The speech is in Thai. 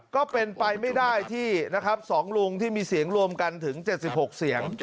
ก็เป็นไปไม่ได้ที่นะครับ๒ลุงที่มีเสียงรวมกันถึง๗๖เสียง